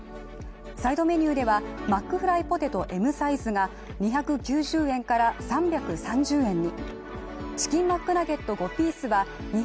サイドメニューでは、マックフライポテトＭサイズが２９０円から３３０円に。